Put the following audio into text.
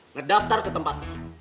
ngedaftar ke tempat lo